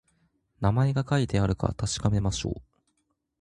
名前が書いてあるか確かめましょう